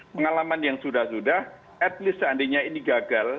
pengalaman yang sudah sudah at least seandainya ini gagal